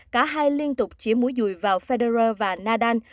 cả hai liên tục chỉa mũi dùi vào federer và nadal